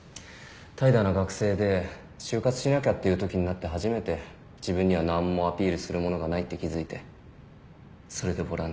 怠惰な学生で就活しなきゃっていうときになって初めて自分には何もアピールするものがないって気付いてそれでボランティア。